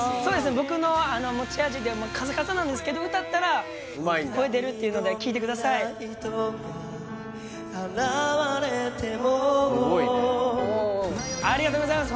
僕の持ち味でカサカサなんですけど歌ったらうまいんだ声出るっていうので聞いてください現れてもすごいねおおありがとうございます